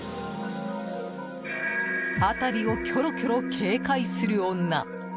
辺りをキョロキョロ警戒する女。